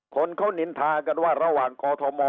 คนเขานินทากันว่าระหว่างกอทม